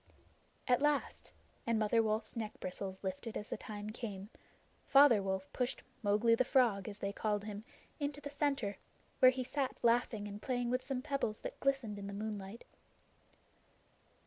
At last and Mother Wolf's neck bristles lifted as the time came Father Wolf pushed "Mowgli the Frog," as they called him, into the center, where he sat laughing and playing with some pebbles that glistened in the moonlight.